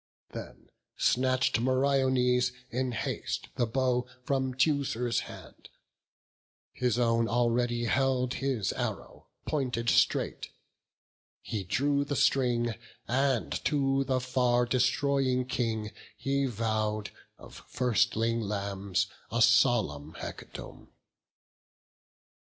Then snatch'd Meriones in haste the bow From Teucer's hand; his own already held His arrow, pointed straight; he drew the string, And to the far destroying King he vow'd Of firstling lambs a solemn hecatomb.